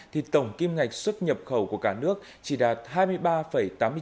thì tổng kim ngạch xuất nhập khẩu của cả nước chỉ đạt hai mươi ba tám mươi chín